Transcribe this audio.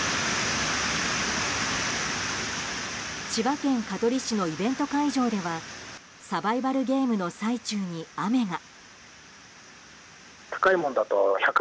千葉県香取市のイベント会場ではサバイバルゲームの最中に雨が。